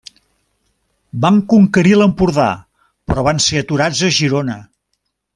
Van conquerir l'Empordà però van ser aturats a Girona.